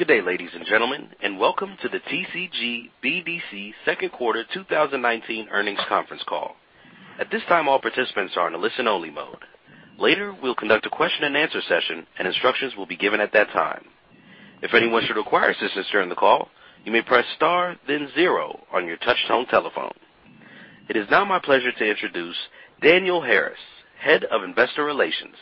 Good day, ladies and gentlemen, welcome to the TCG BDC second quarter 2019 earnings conference call. At this time, all participants are in a listen-only mode. Later, we'll conduct a question and answer session, instructions will be given at that time. If anyone should require assistance during the call, you may press star then zero on your touchtone telephone. It is now my pleasure to introduce Daniel Harris, Head of Investor Relations.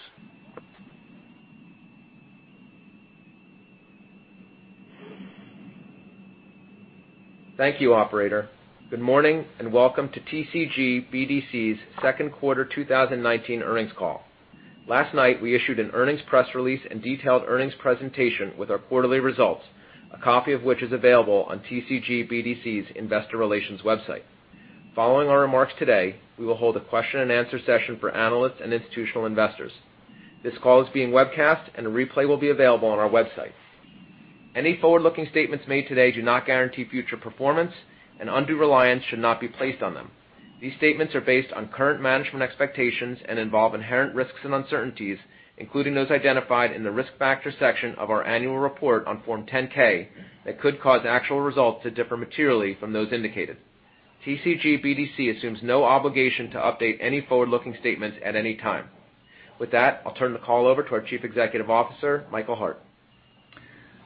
Thank you, operator. Good morning and welcome to TCG BDC's second quarter 2019 earnings call. Last night, we issued an earnings press release and detailed earnings presentation with our quarterly results, a copy of which is available on TCG BDC's investor relations website. Following our remarks today, we will hold a question and answer session for analysts and institutional investors. This call is being webcast, and a replay will be available on our website. Any forward-looking statements made today do not guarantee future performance, and undue reliance should not be placed on them. These statements are based on current management expectations and involve inherent risks and uncertainties, including those identified in the risk factors section of our annual report on Form 10-K, that could cause actual results to differ materially from those indicated. TCG BDC assumes no obligation to update any forward-looking statements at any time. With that, I'll turn the call over to our Chief Executive Officer, Michael Hart.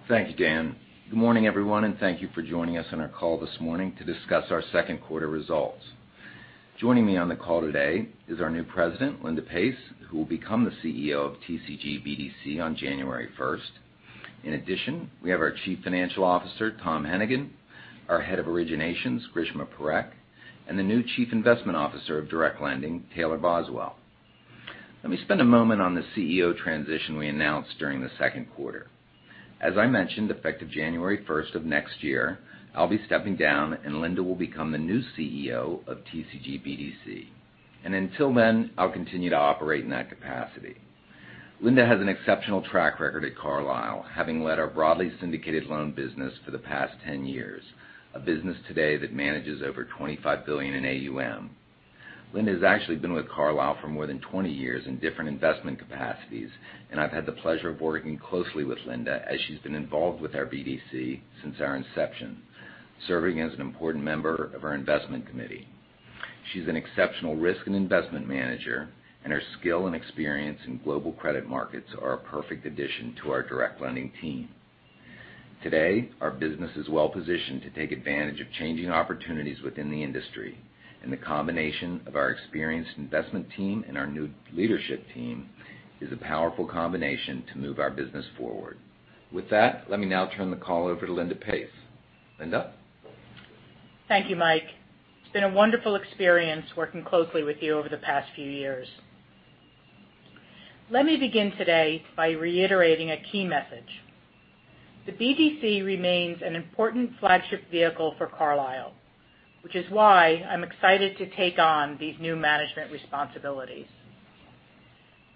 Thank you, Dan. Good morning, everyone, and thank you for joining us on our call this morning to discuss our second quarter results. Joining me on the call today is our new President, Linda Pace, who will become the CEO of TCG BDC on January 1st. In addition, we have our Chief Financial Officer, Tom Hennigan, our Head of Originations, Grishma Parekh, and the new Chief Investment Officer of Direct Lending, Taylor Boswell. Let me spend a moment on the CEO transition we announced during the second quarter. As I mentioned, effective January 1st of next year, I'll be stepping down, and Linda will become the new CEO of TCG BDC. Until then, I'll continue to operate in that capacity. Linda has an exceptional track record at Carlyle, having led our broadly syndicated loan business for the past 10 years, a business today that manages over $25 billion in AUM. Linda's actually been with Carlyle for more than 20 years in different investment capacities, and I've had the pleasure of working closely with Linda as she's been involved with our BDC since our inception, serving as an important member of our investment committee. She's an exceptional risk and investment manager, and her skill and experience in global credit markets are a perfect addition to our direct lending team. Today, our business is well-positioned to take advantage of changing opportunities within the industry, and the combination of our experienced investment team and our new leadership team is a powerful combination to move our business forward. With that, let me now turn the call over to Linda Pace. Linda? Thank you, Mike. It's been a wonderful experience working closely with you over the past few years. Let me begin today by reiterating a key message. The BDC remains an important flagship vehicle for Carlyle, which is why I'm excited to take on these new management responsibilities.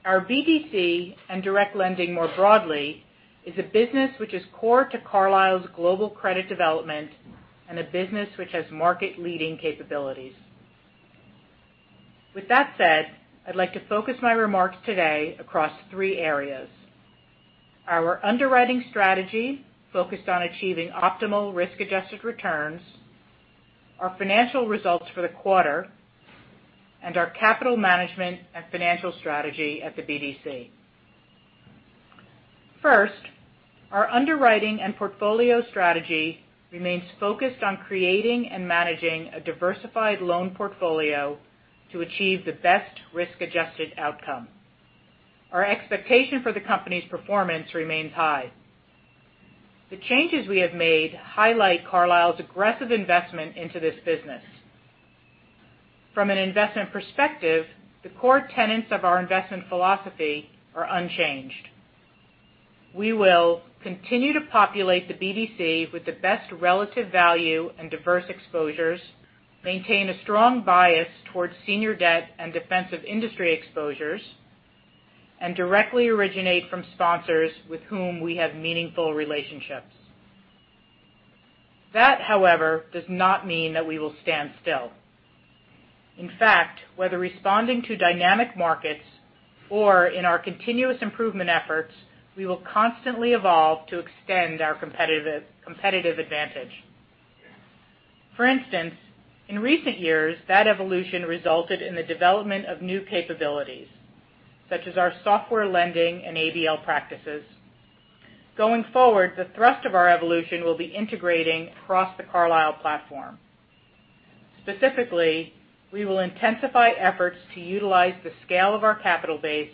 Our BDC, and direct lending more broadly, is a business which is core to Carlyle's global credit development and a business which has market-leading capabilities. With that said, I'd like to focus my remarks today across three areas. Our underwriting strategy focused on achieving optimal risk-adjusted returns, our financial results for the quarter, and our capital management and financial strategy at the BDC. First, our underwriting and portfolio strategy remains focused on creating and managing a diversified loan portfolio to achieve the best risk-adjusted outcome. Our expectation for the company's performance remains high. The changes we have made highlight Carlyle's aggressive investment into this business. From an investment perspective, the core tenets of our investment philosophy are unchanged. We will continue to populate the BDC with the best relative value and diverse exposures, maintain a strong bias towards senior debt and defensive industry exposures, and directly originate from sponsors with whom we have meaningful relationships. That, however, does not mean that we will stand still. In fact, whether responding to dynamic markets or in our continuous improvement efforts, we will constantly evolve to extend our competitive advantage. For instance, in recent years, that evolution resulted in the development of new capabilities, such as our software lending and ABL practices. Going forward, the thrust of our evolution will be integrating across the Carlyle platform. Specifically, we will intensify efforts to utilize the scale of our capital base,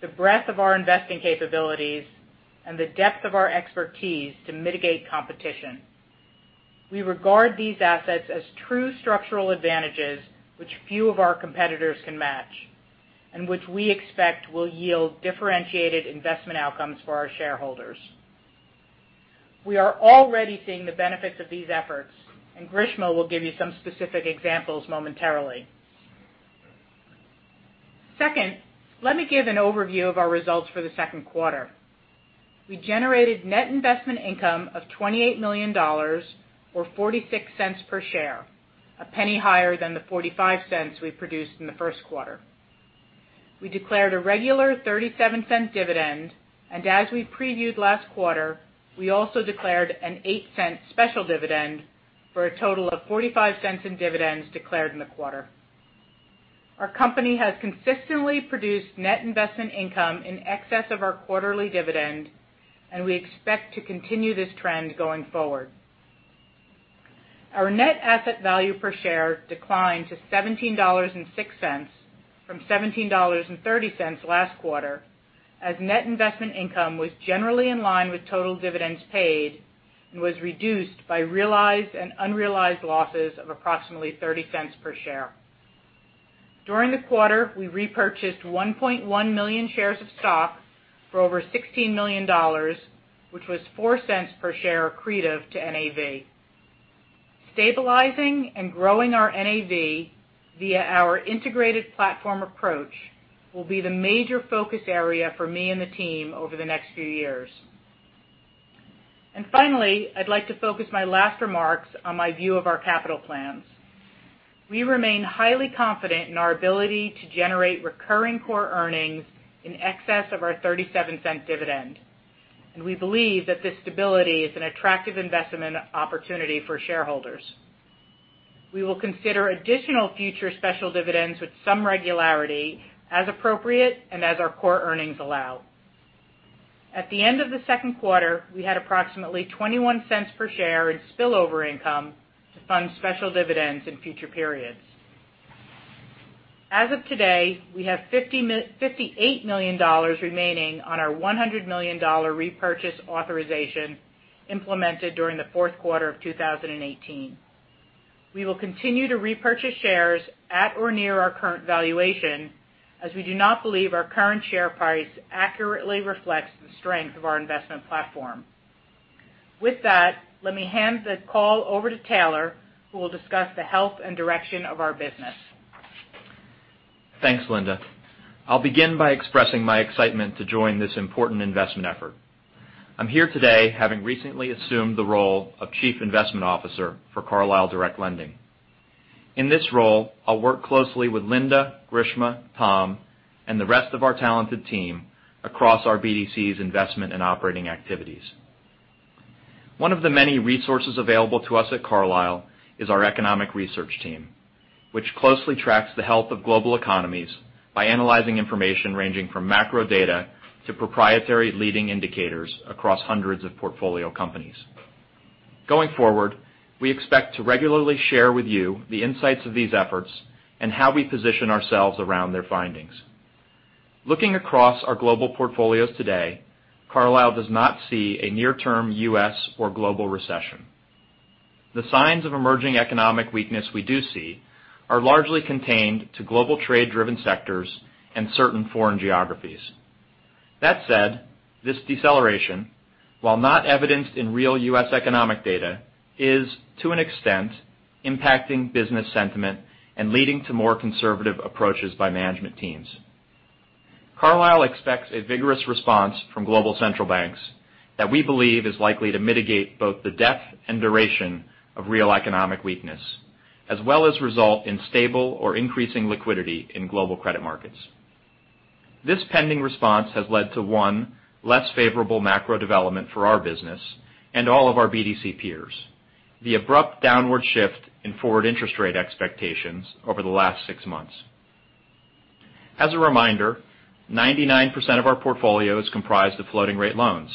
the breadth of our investing capabilities, and the depth of our expertise to mitigate competition. We regard these assets as true structural advantages which few of our competitors can match, and which we expect will yield differentiated investment outcomes for our shareholders. We are already seeing the benefits of these efforts. Grishma will give you some specific examples momentarily. Second, let me give an overview of our results for the second quarter. We generated net investment income of $28 million, or $0.46 per share, a $0.01 higher than the $0.45 we produced in the first quarter. We declared a regular $0.37 dividend, and as we previewed last quarter, we also declared an $0.08 special dividend for a total of $0.45 in dividends declared in the quarter. Our company has consistently produced net investment income in excess of our quarterly dividend, we expect to continue this trend going forward. Our net asset value per share declined to $17.06 from $17.30 last quarter, as net investment income was generally in line with total dividends paid and was reduced by realized and unrealized losses of approximately $0.30 per share. During the quarter, we repurchased 1.1 million shares of stock for over $16 million, which was $0.04 per share accretive to NAV. Stabilizing and growing our NAV via our integrated platform approach will be the major focus area for me and the team over the next few years. Finally, I'd like to focus my last remarks on my view of our capital plans. We remain highly confident in our ability to generate recurring core earnings in excess of our $0.37 dividend. We believe that this stability is an attractive investment opportunity for shareholders. We will consider additional future special dividends with some regularity as appropriate. As our core earnings allow. At the end of the second quarter, we had approximately $0.21 per share in spillover income to fund special dividends in future periods. As of today, we have $58 million remaining on our $100 million repurchase authorization implemented during the fourth quarter of 2018. We will continue to repurchase shares at or near our current valuation. We do not believe our current share price accurately reflects the strength of our investment platform. With that, let me hand the call over to Taylor, who will discuss the health and direction of our business. Thanks, Linda. I'll begin by expressing my excitement to join this important investment effort. I'm here today having recently assumed the role of Chief Investment Officer for Carlyle Direct Lending. In this role, I'll work closely with Linda, Grishma, Tom, and the rest of our talented team across our BDC's investment and operating activities. One of the many resources available to us at Carlyle is our economic research team, which closely tracks the health of global economies by analyzing information ranging from macro data to proprietary leading indicators across hundreds of portfolio companies. Going forward, we expect to regularly share with you the insights of these efforts and how we position ourselves around their findings. Looking across our global portfolios today, Carlyle does not see a near-term U.S. or global recession. The signs of emerging economic weakness we do see are largely contained to global trade-driven sectors and certain foreign geographies. That said, this deceleration, while not evidenced in real U.S. economic data, is, to an extent, impacting business sentiment and leading to more conservative approaches by management teams. Carlyle expects a vigorous response from global central banks that we believe is likely to mitigate both the depth and duration of real economic weakness, as well as result in stable or increasing liquidity in global credit markets. This pending response has led to one less favorable macro development for our business and all of our BDC peers, the abrupt downward shift in forward interest rate expectations over the last six months. As a reminder, 99% of our portfolio is comprised of floating-rate loans,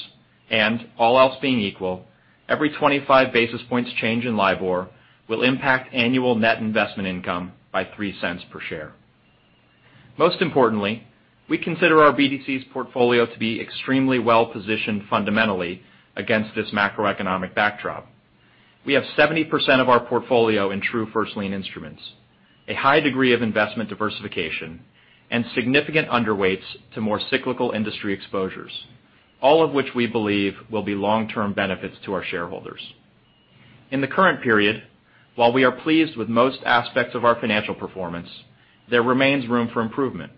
and all else being equal, every 25 basis points change in LIBOR will impact annual net investment income by $0.03 per share. Most importantly, we consider our BDC's portfolio to be extremely well-positioned fundamentally against this macroeconomic backdrop. We have 70% of our portfolio in true first lien instruments, a high degree of investment diversification, and significant underweights to more cyclical industry exposures, all of which we believe will be long-term benefits to our shareholders. In the current period, while we are pleased with most aspects of our financial performance, there remains room for improvement.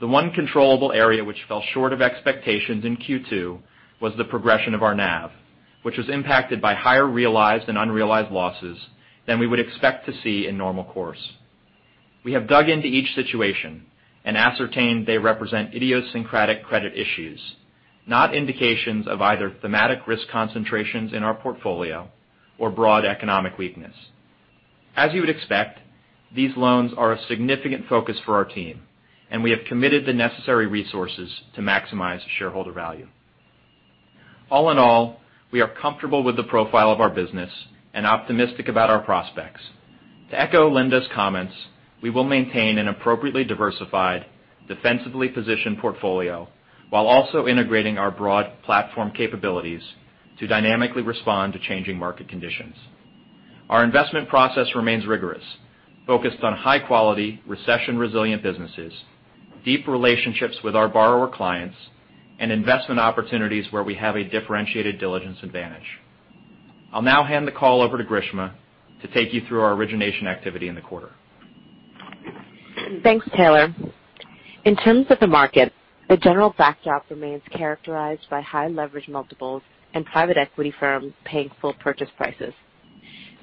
The one controllable area which fell short of expectations in Q2 was the progression of our NAV, which was impacted by higher realized and unrealized losses than we would expect to see in normal course. We have dug into each situation and ascertained they represent idiosyncratic credit issues, not indications of either thematic risk concentrations in our portfolio or broad economic weakness. As you would expect, these loans are a significant focus for our team, and we have committed the necessary resources to maximize shareholder value. All in all, we are comfortable with the profile of our business and optimistic about our prospects. To echo Linda's comments, we will maintain an appropriately diversified, defensively positioned portfolio while also integrating our broad platform capabilities to dynamically respond to changing market conditions. Our investment process remains rigorous, focused on high-quality, recession-resilient businesses, deep relationships with our borrower clients, and investment opportunities where we have a differentiated diligence advantage. I'll now hand the call over to Grishma to take you through our origination activity in the quarter. Thanks, Taylor. In terms of the market, the general backdrop remains characterized by high leverage multiples and private equity firms paying full purchase prices.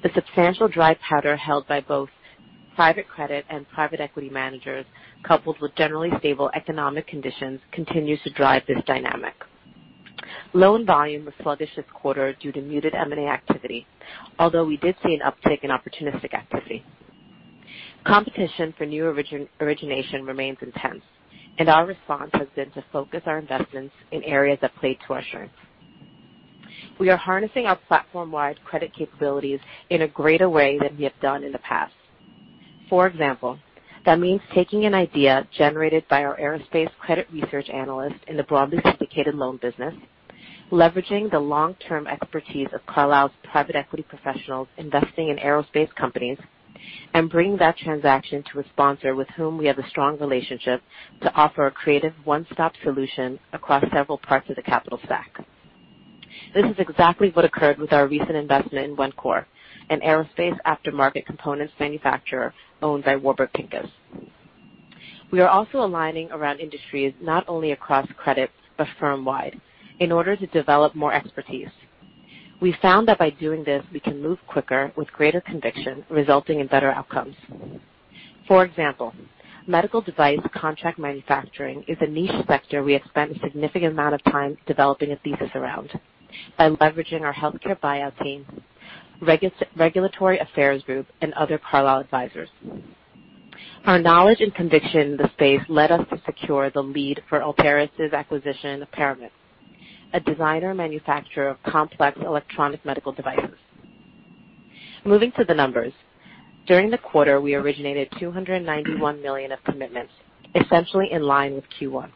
The substantial dry powder held by both private credit and private equity managers, coupled with generally stable economic conditions, continues to drive this dynamic. Loan volume was sluggish this quarter due to muted M&A activity. Although we did see an uptick in opportunistic activity. Competition for new origination remains intense, and our response has been to focus our investments in areas that play to our strengths. We are harnessing our platform-wide credit capabilities in a greater way than we have done in the past. For example, that means taking an idea generated by our aerospace credit research analyst in the broadly syndicated loan business, leveraging the long-term expertise of Carlyle's private equity professionals investing in aerospace companies, and bringing that transaction to a sponsor with whom we have a strong relationship to offer a creative one-stop solution across several parts of the capital stack. This is exactly what occurred with our recent investment in OneCore, an aerospace aftermarket components manufacturer owned by Warburg Pincus. We are also aligning around industries not only across credits but firm-wide in order to develop more expertise. We found that by doing this, we can move quicker with greater conviction, resulting in better outcomes. For example, medical device contract manufacturing is a niche sector we have spent a significant amount of time developing a thesis around by leveraging our healthcare buyout team, regulatory affairs group, and other Carlyle advisors. Our knowledge and conviction in the space led us to secure the lead for Altaris' acquisition of Paramit, a designer manufacturer of complex electronic medical devices. Moving to the numbers. During the quarter, we originated $291 million of commitments, essentially in line with Q1,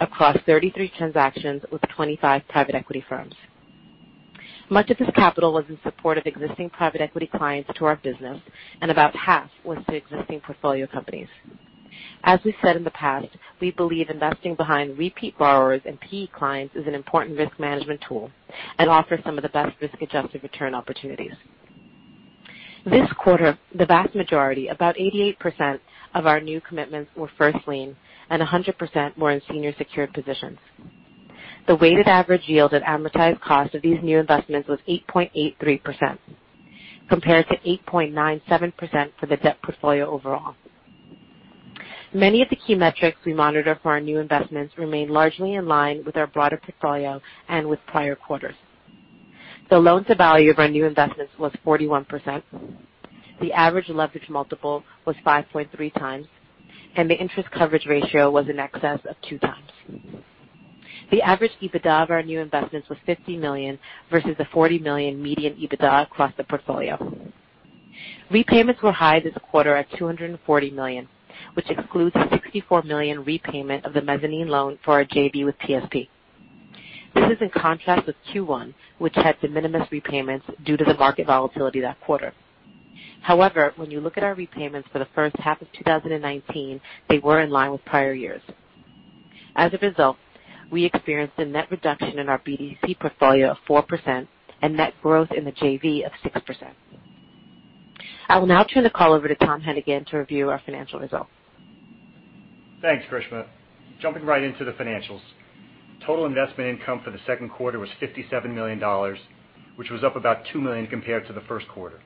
across 33 transactions with 25 private equity firms. Much of this capital was in support of existing private equity clients to our business, and about half was to existing portfolio companies. As we said in the past, we believe investing behind repeat borrowers and PE clients is an important risk management tool and offers some of the best risk-adjusted return opportunities. This quarter, the vast majority, about 88% of our new commitments were first lien, and 100% were in senior secured positions. The weighted average yield at amortized cost of these new investments was 8.83%, compared to 8.97% for the debt portfolio overall. Many of the key metrics we monitor for our new investments remain largely in line with our broader portfolio and with prior quarters. The loan-to-value of our new investments was 41%. The average leverage multiple was 5.3x, and the interest coverage ratio was in excess of 2x. The average EBITDA of our new investments was $50 million versus the $40 million median EBITDA across the portfolio. Repayments were high this quarter at $240 million, which excludes $64 million repayment of the mezzanine loan for our JV with PSP. This is in contrast with Q1, which had de minimis repayments due to the market volatility that quarter. However, when you look at our repayments for the first half of 2019, they were in line with prior years. As a result, we experienced a net reduction in our BDC portfolio of 4% and net growth in the JV of 6%. I will now turn the call over to Tom Hennigan to review our financial results. Thanks, Grishma. Jumping right into the financials. Total investment income for the second quarter was $57 million, which was up about $2 million compared to the first quarter.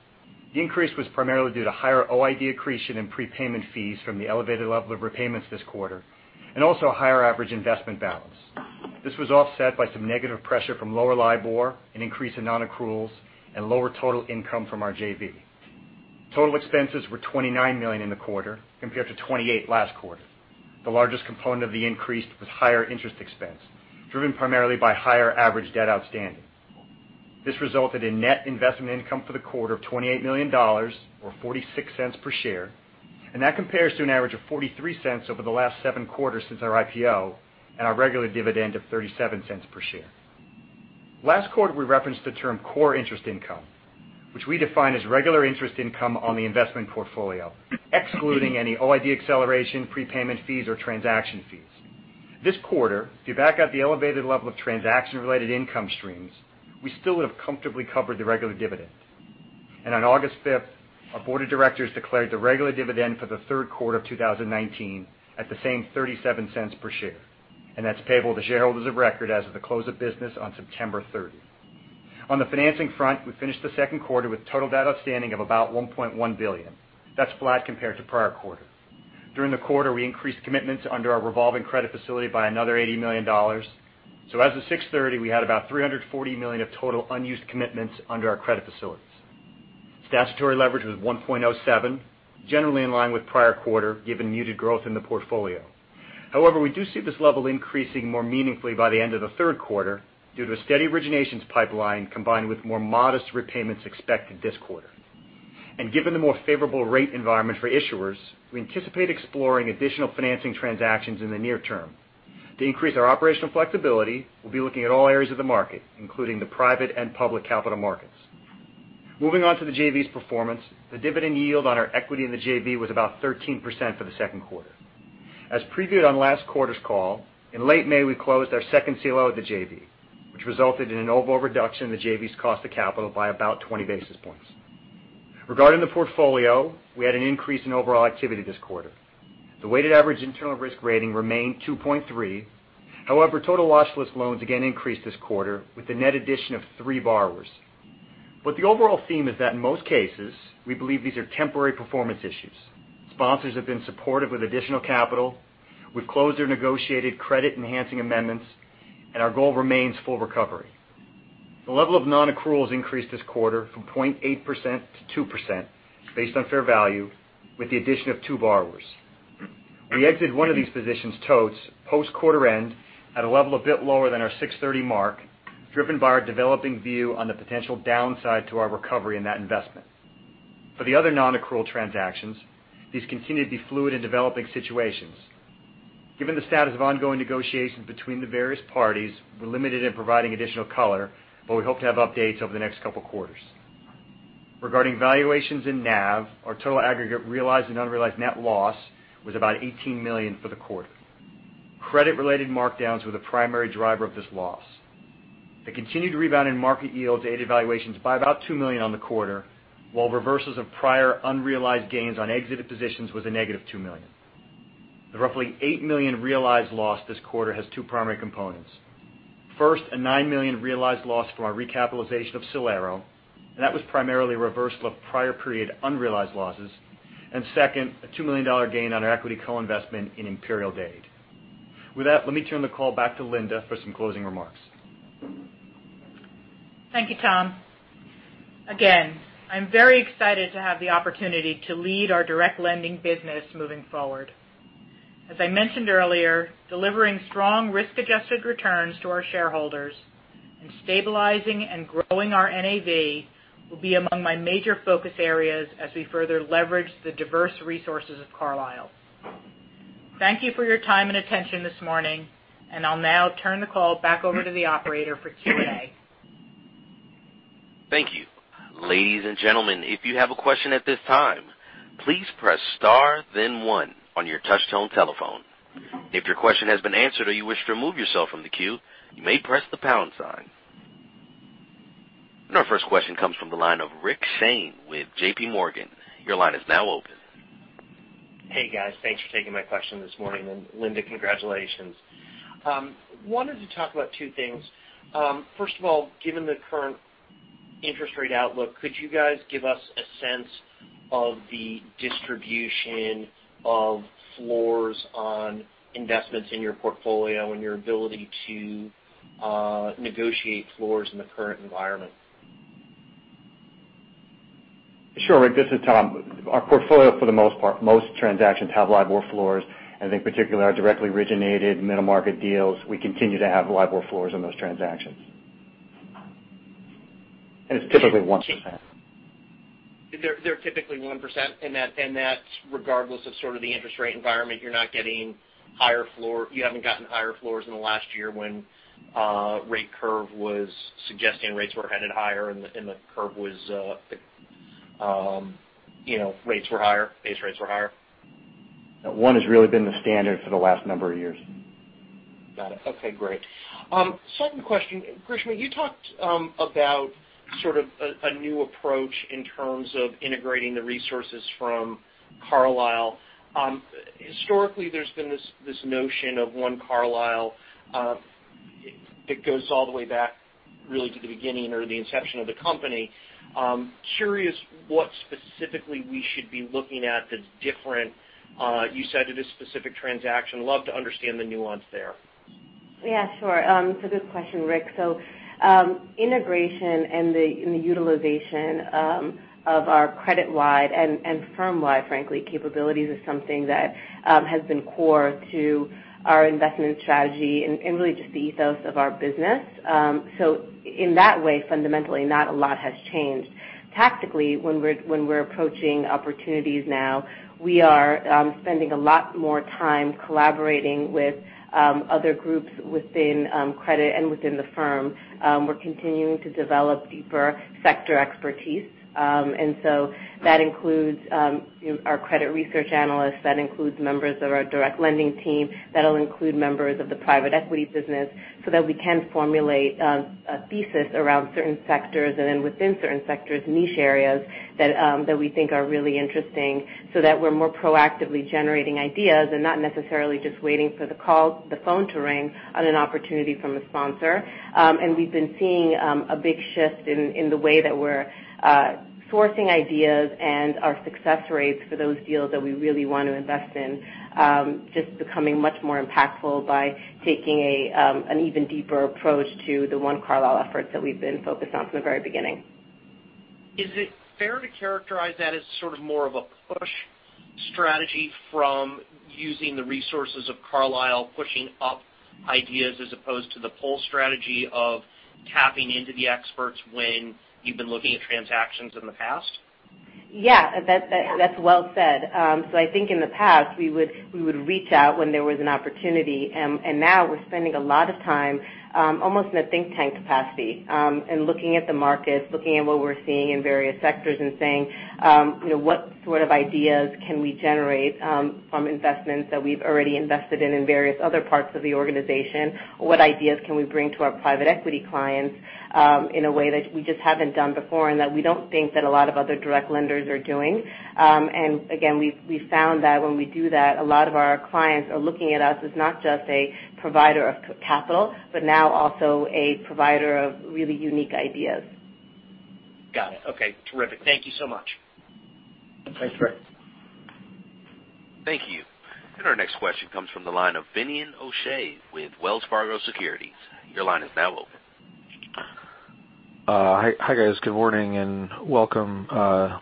The increase was primarily due to higher OID accretion and prepayment fees from the elevated level of repayments this quarter, also a higher average investment balance. This was offset by some negative pressure from lower LIBOR, an increase in non-accruals, and lower total income from our JV. Total expenses were $29 million in the quarter, compared to $28 million last quarter. The largest component of the increase was higher interest expense, driven primarily by higher average debt outstanding. This resulted in net investment income for the quarter of $28 million, or $0.46 per share, that compares to an average of $0.43 over the last seven quarters since our IPO and our regular dividend of $0.37 per share. Last quarter, we referenced the term core interest income, which we define as regular interest income on the investment portfolio, excluding any OID acceleration, prepayment fees, or transaction fees. This quarter, if you back out the elevated level of transaction-related income streams, we still would've comfortably covered the regular dividend. On August 5th, our board of directors declared the regular dividend for the third quarter of 2019 at the same $0.37 per share, and that's payable to shareholders of record as of the close of business on September 30th. On the financing front, we finished the second quarter with total debt outstanding of about $1.1 billion. That's flat compared to prior quarter. During the quarter, we increased commitments under our revolving credit facility by another $80 million. As of 6/30, we had about $340 million of total unused commitments under our credit facilities. Statutory leverage was 1.07, generally in line with prior quarter, given muted growth in the portfolio. We do see this level increasing more meaningfully by the end of the third quarter due to a steady originations pipeline combined with more modest repayments expected this quarter. Given the more favorable rate environment for issuers, we anticipate exploring additional financing transactions in the near term. To increase our operational flexibility, we'll be looking at all areas of the market, including the private and public capital markets. Moving on to the JV's performance. The dividend yield on our equity in the JV was about 13% for the second quarter. As previewed on last quarter's call, in late May, we closed our second CLO with the JV, which resulted in an overall reduction in the JV's cost of capital by about 20 basis points. Regarding the portfolio, we had an increase in overall activity this quarter. The weighted average internal risk rating remained 2.3. Total watch list loans again increased this quarter with the net addition of three borrowers. The overall theme is that in most cases, we believe these are temporary performance issues. Sponsors have been supportive with additional capital. We've closed or negotiated credit-enhancing amendments, and our goal remains full recovery. The level of non-accruals increased this quarter from 0.8% to 2% based on fair value with the addition of two borrowers. We exited one of these positions, Totes, post quarter end at a level a bit lower than our 630 mark, driven by our developing view on the potential downside to our recovery in that investment. For the other non-accrual transactions, these continue to be fluid and developing situations. Given the status of ongoing negotiations between the various parties, we're limited in providing additional color, but we hope to have updates over the next couple of quarters. Regarding valuations in NAV, our total aggregate realized and unrealized net loss was about $18 million for the quarter. Credit-related markdowns were the primary driver of this loss. The continued rebound in market yields aided valuations by about $2 million on the quarter, while reversals of prior unrealized gains on exited positions was a negative $2 million. The roughly $8 million realized loss this quarter has two primary components. First, a $9 million realized loss from our recapitalization of SolAero, and that was primarily a reversal of prior period unrealized losses. Second, a $2 million gain on our equity co-investment in Imperial Dade. With that, let me turn the call back to Linda for some closing remarks. Thank you, Tom. Again, I'm very excited to have the opportunity to lead our direct lending business moving forward. As I mentioned earlier, delivering strong risk-adjusted returns to our shareholders and stabilizing and growing our NAV will be among my major focus areas as we further leverage the diverse resources of Carlyle. Thank you for your time and attention this morning, and I'll now turn the call back over to the operator for Q&A. Thank you. Ladies and gentlemen, if you have a question at this time, please press star then one on your touch-tone telephone. If your question has been answered or you wish to remove yourself from the queue, you may press the pound sign. Our first question comes from the line of Rick Shane with JPMorgan. Your line is now open. Hey, guys. Thanks for taking my question this morning, and Linda, congratulations. I wanted to talk about two things. First of all, given the current interest rate outlook, could you guys give us a sense of the distribution of floors on investments in your portfolio and your ability to negotiate floors in the current environment? Sure, Rick. This is Tom. Our portfolio for the most part, most transactions have LIBOR floors. I think particularly our directly originated middle market deals, we continue to have LIBOR floors on those transactions. It's typically 1%. They're typically 1% and that's regardless of sort of the interest rate environment, you haven't gotten higher floors in the last year when rate curve was suggesting rates were headed higher and rates were higher, base rates were higher? One has really been the standard for the last number of years. Got it. Okay, great. Second question. Grishma, you talked about sort of a new approach in terms of integrating the resources from Carlyle. Historically, there's been this notion of one Carlyle. It goes all the way back really to the beginning or the inception of the company. Curious what specifically we should be looking at that's different. You said it is specific transaction. Love to understand the nuance there. Yeah, sure. It's a good question, Rick. Integration and the utilization of our credit-wide and firm-wide, frankly, capabilities is something that has been core to our investment strategy and really just the ethos of our business. In that way, fundamentally, not a lot has changed. Tactically, when we're approaching opportunities now, we are spending a lot more time collaborating with other groups within credit and within the firm. We're continuing to develop deeper sector expertise. That includes our credit research analysts, that includes members of our direct lending team, that'll include members of the private equity business so that we can formulate a thesis around certain sectors and then within certain sectors, niche areas that we think are really interesting so that we're more proactively generating ideas and not necessarily just waiting for the phone to ring on an opportunity from a sponsor. We've been seeing a big shift in the way that we're sourcing ideas and our success rates for those deals that we really want to invest in, just becoming much more impactful by taking an even deeper approach to the One Carlyle efforts that we've been focused on from the very beginning. Is it fair to characterize that as sort of more of a push strategy from using the resources of Carlyle, pushing up ideas as opposed to the pull strategy of tapping into the experts when you've been looking at transactions in the past? Yeah, that's well said. I think in the past, we would reach out when there was an opportunity, and now we're spending a lot of time almost in a think tank capacity, looking at the markets, looking at what we're seeing in various sectors and saying, "What sort of ideas can we generate from investments that we've already invested in various other parts of the organization? What ideas can we bring to our private equity clients in a way that we just haven't done before and that we don't think that a lot of other direct lenders are doing?" Again, we've found that when we do that, a lot of our clients are looking at us as not just a provider of capital, but now also a provider of really unique ideas. Got it. Okay, terrific. Thank you so much. Thanks, Rick. Thank you. Our next question comes from the line of Finian O'Shea with Wells Fargo Securities. Your line is now open. Hi, guys. Good morning and welcome,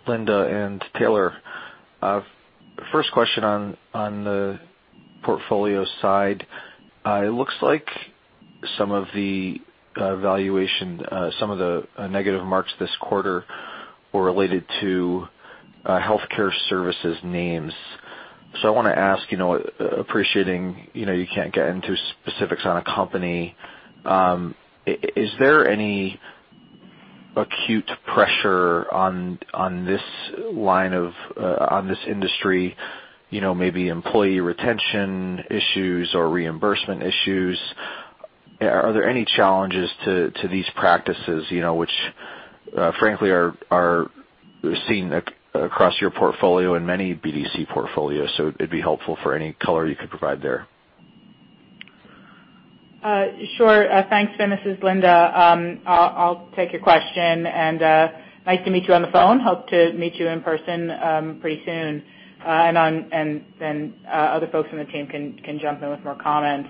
Linda and Taylor. First question on the portfolio side. It looks like some of the valuation, some of the negative marks this quarter were related to healthcare services names. I want to ask, appreciating you can't get into specifics on a company, is there any acute pressure on this industry, maybe employee retention issues or reimbursement issues? Are there any challenges to these practices, which frankly are seen across your portfolio and many BDC portfolios? It'd be helpful for any color you could provide there. Sure. Thanks, Finian. This is Linda. I'll take your question. Nice to meet you on the phone. Hope to meet you in person pretty soon. Other folks on the team can jump in with more comments.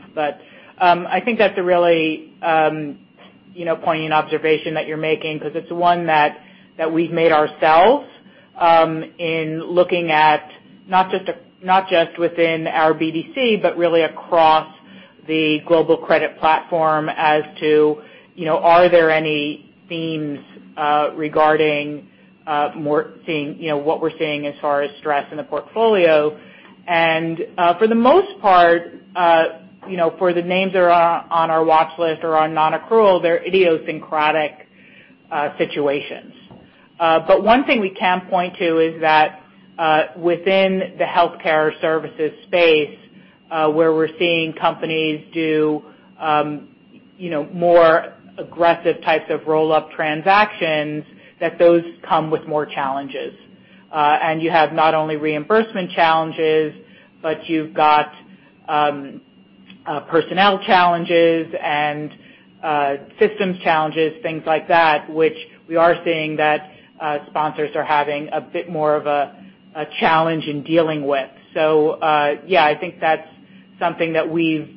I think that's a really poignant observation that you're making because it's one that we've made ourselves in looking at not just within our BDC, but really across the global credit platform as to, are there any themes regarding what we're seeing as far as stress in the portfolio. For the most part, for the names that are on our watch list or on non-accrual, they're idiosyncratic situations. One thing we can point to is that within the healthcare services space, where we're seeing companies do more aggressive types of roll-up transactions, that those come with more challenges. You have not only reimbursement challenges, but you've got personnel challenges and systems challenges, things like that, which we are seeing that sponsors are having a bit more of a challenge in dealing with. Yeah, I think that's something that we've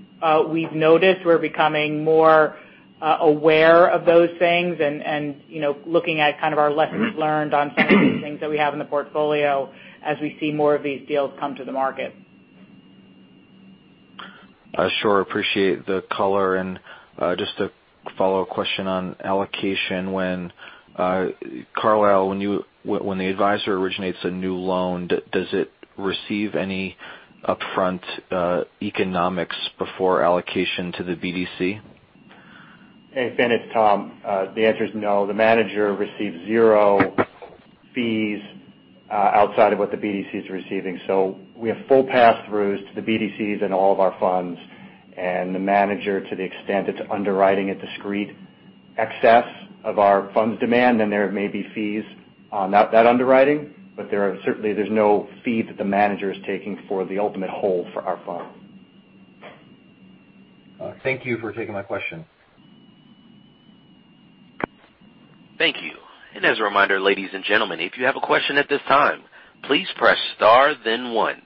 noticed. We're becoming more aware of those things and looking at kind of our lessons learned on some of these things that we have in the portfolio as we see more of these deals come to the market. Sure. Appreciate the color. Just a follow-up question on allocation. When the advisor originates a new loan, does it receive any upfront economics before allocation to the BDC? Hey, Finian, it's Tom. The answer is no. The manager receives zero fees outside of what the BDC is receiving. We have full pass-throughs to the BDCs in all of our funds, and the manager, to the extent it's underwriting a discrete excess of our fund's demand, then there may be fees on that underwriting. Certainly, there's no fee that the manager is taking for the ultimate hold for our fund. Thank you for taking my question. Thank you. As a reminder, ladies and gentlemen, if you have a question at this time, please press star then one.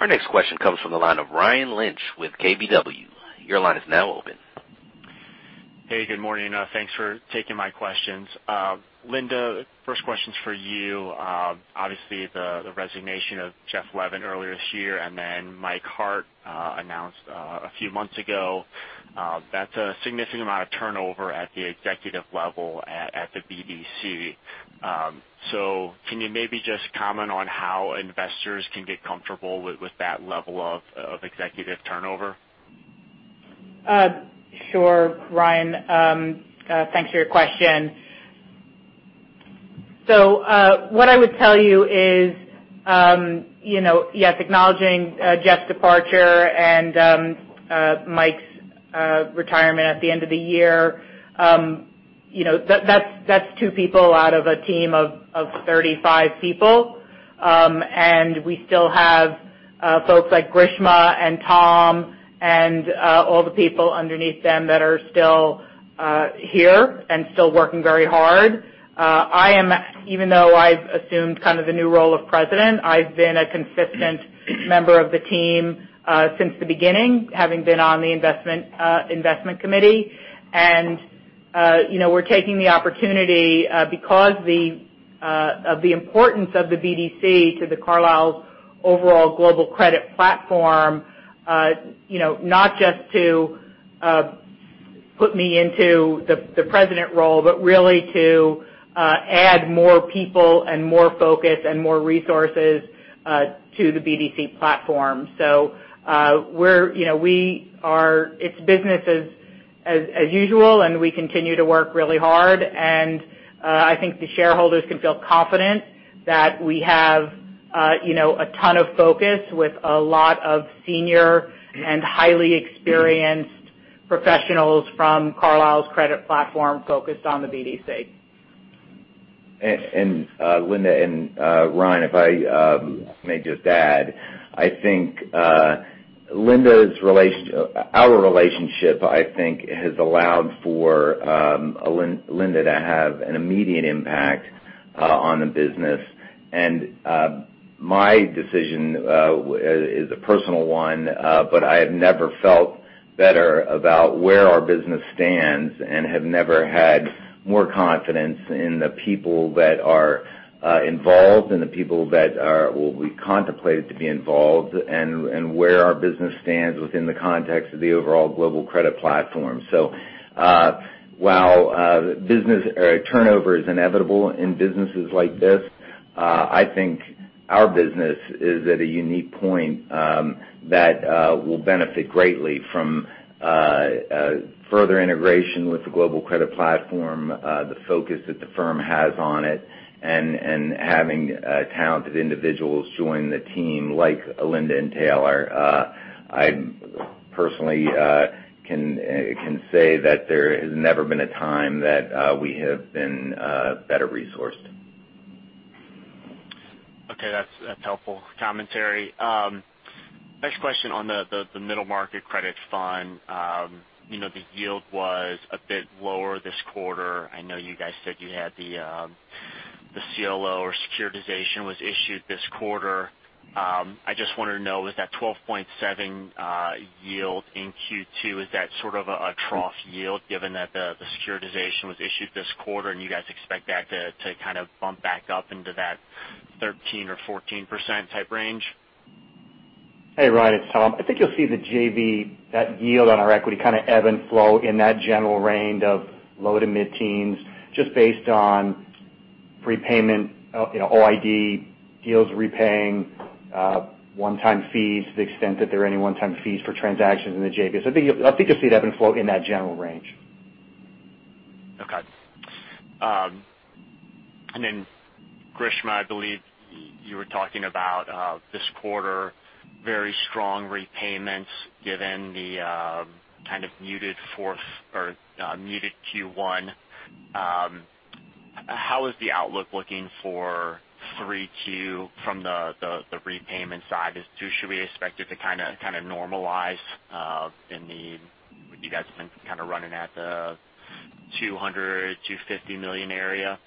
Our next question comes from the line of Ryan Lynch with KBW. Your line is now open. Hey, good morning. Thanks for taking my questions. Linda, first question's for you. Obviously, the resignation of Jeff Levin earlier this year, and then Mike Hart announced a few months ago. That's a significant amount of turnover at the executive level at the BDC. Can you maybe just comment on how investors can get comfortable with that level of executive turnover? Sure, Ryan. Thanks for your question. What I would tell you is, yes, acknowledging Jeff's departure and Mike's retirement at the end of the year, that's two people out of a team of 35 people. We still have folks like Grishma and Tom and all the people underneath them that are still here and still working very hard. Even though I've assumed kind of the new role of President, I've been a consistent member of the team since the beginning, having been on the investment committee. We're taking the opportunity because of the importance of the BDC to Carlyle's overall global credit platform, not just to put me into the president role, but really to add more people and more focus and more resources to the BDC platform. It's business as usual, and we continue to work really hard. I think the shareholders can feel confident that we have a ton of focus with a lot of senior and highly experienced professionals from Carlyle's credit platform focused on the BDC. Linda and Ryan, if I may just add, I think Our relationship, I think, has allowed for Linda to have an immediate impact on the business. My decision is a personal one, but I have never felt better about where our business stands and have never had more confidence in the people that are involved and the people that will be contemplated to be involved, and where our business stands within the context of the overall Global Credit Platform. While business turnover is inevitable in businesses like this, I think our business is at a unique point that will benefit greatly from further integration with the Global Credit Platform, the focus that the firm has on it, and having talented individuals join the team like Linda and Taylor. I personally can say that there has never been a time that we have been better resourced. Okay. That's helpful commentary. Next question on the middle market credit fund. The yield was a bit lower this quarter. I know you guys said you had the CLO or securitization was issued this quarter. I just wanted to know, with that 12.7 yield in Q2, is that sort of a trough yield given that the securitization was issued this quarter and you guys expect that to kind of bump back up into that 13% or 14% type range? Hey, Ryan, it's Tom. I think you'll see the JV, that yield on our equity kind of ebb and flow in that general range of low to mid-teens, just based on prepayment, OID deals repaying one-time fees to the extent that there are any one-time fees for transactions in the JV. I think you'll see it ebb and flow in that general range. Okay. Grishma, I believe you were talking about this quarter, very strong repayments given the kind of muted Q1. How is the outlook looking for 3Q from the repayment side? Should we expect it to kind of normalize in the $200 million-$250 million area?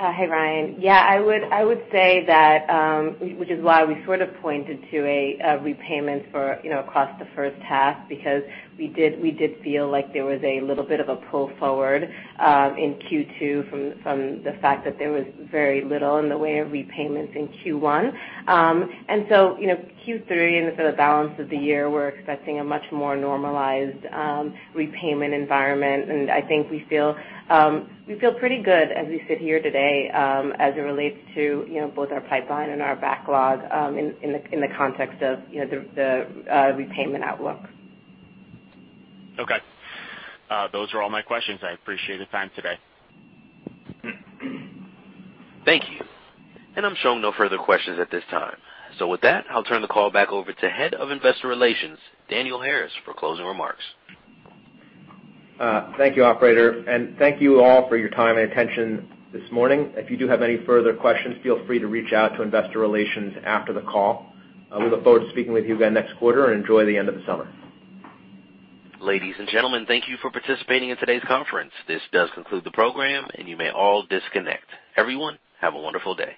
Hey, Ryan. Yeah, I would say that, which is why we sort of pointed to a repayment for across the first half, because we did feel like there was a little bit of a pull forward in Q2 from the fact that there was very little in the way of repayments in Q1. Q3 and for the balance of the year, we're expecting a much more normalized repayment environment. I think we feel pretty good as we sit here today as it relates to both our pipeline and our backlog in the context of the repayment outlook. Okay. Those are all my questions. I appreciate the time today. Thank you. I'm showing no further questions at this time. With that, I'll turn the call back over to Head of Investor Relations, Daniel Harris, for closing remarks. Thank you, operator. Thank you all for your time and attention this morning. If you do have any further questions, feel free to reach out to investor relations after the call. We look forward to speaking with you again next quarter, and enjoy the end of the summer. Ladies and gentlemen, thank you for participating in today's conference. This does conclude the program, and you may all disconnect. Everyone, have a wonderful day.